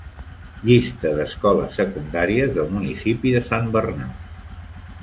Llista d'escoles secundàries del municipi de Sant Bernat.